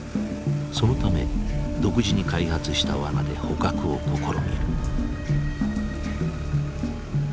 そのため独自に開発したワナで捕獲を試みる。